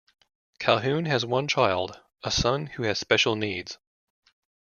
Calhoun has one child, a son who has special needs.